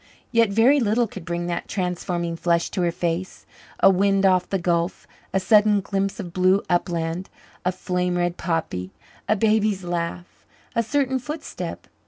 Yet very little could bring that transforming flush to her face: a wind off the gulf, a sudden glimpse of blue upland, a flame red poppy, a baby's laugh, a certain footstep.